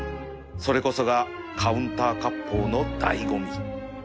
それこそがカウンター割烹の醍醐味